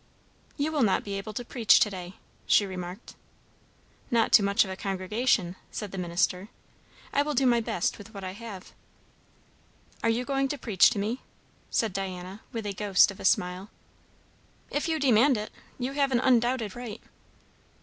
"You will not be able to preach to day," she remarked. "Not to much of a congregation," said the minister. "I will do my best with what I have." "Are you going to preach to me?" said Diana, with a ghost of a smile. "If you demand it! You have an undoubted right."